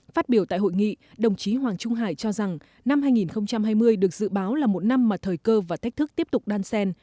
phát biểu tại hội nghị đồng chí hoàng trung hải cho rằng năm hai nghìn hai mươi được dự báo là một năm mà thời cơ và thách thức tiếp tục đan sen